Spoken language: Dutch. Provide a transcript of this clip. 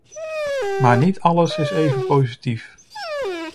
Maar niet alles is even positief.